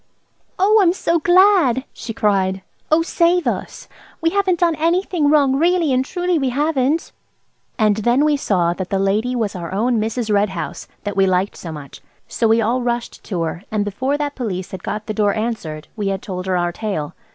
"Oh, I'm so glad!" she cried; "oh, save us! We haven't done anything wrong, really and truly we haven't." And then we all saw that the lady was our own Mrs. Red House, that we liked so much. So we all rushed to her, and before that Police had got the door answered we had told her our tale.